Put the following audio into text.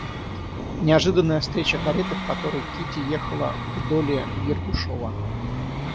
Неожиданная встреча кареты, в которой Кити ехала к Долли в Ергушово.